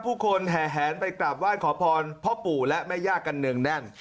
ผู้คนแห่แหนไปกราบไหว้ขอพรพ่อปู่และแม่ย่ากันเนืองแน่น